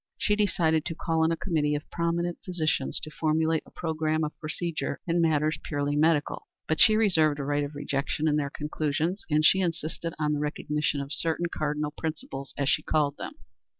She decided to call in a committee of prominent physicians to formulate a programme of procedure in matters purely medical; but she reserved a right of rejection of their conclusions, and she insisted on the recognition of certain cardinal principles, as she called them.